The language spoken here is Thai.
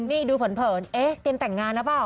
นี่ดูเผินเอ๊ะเตรียมแต่งงานหรือเปล่า